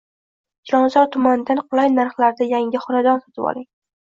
Chilonzor tumanidan qulay narxlarda yangi xonadon sotib oling!